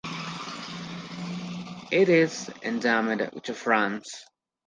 It is endemic to France.